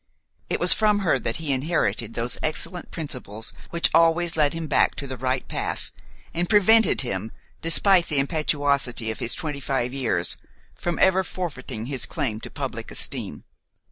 It was from her that he inherited those excellent principles which always led him back to the right path and prevented him, despite the impetuosity of his twenty five years, from ever forfeiting his claim to public esteem.